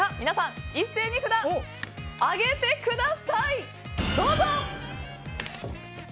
皆さん一斉に札を挙げてください。